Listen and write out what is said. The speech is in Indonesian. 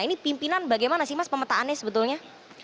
ini pimpinan bagaimana sih mas pemetaannya sebetulnya